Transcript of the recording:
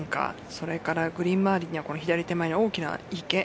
それからグリーン周りには左手前に大きな池。